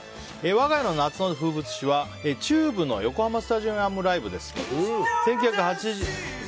わが家の夏の風物詩はＴＵＢＥの横浜スタジアムライブです。